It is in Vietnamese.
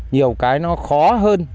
nhiều cái nó khó hơn